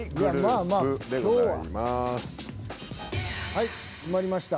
はい決まりました。